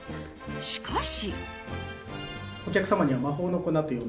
しかし。